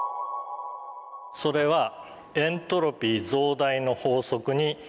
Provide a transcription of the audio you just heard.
それは「エントロピー増大の法則」に闘うために。